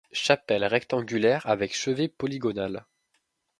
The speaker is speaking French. Chapelle rectangulaire avec chevet polygonal.